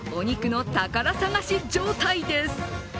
お肉の宝探し状態です。